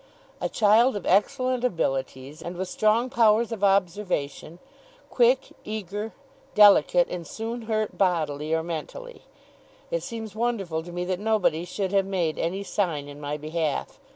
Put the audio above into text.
A child of excellent abilities, and with strong powers of observation, quick, eager, delicate, and soon hurt bodily or mentally, it seems wonderful to me that nobody should have made any sign in my behalf.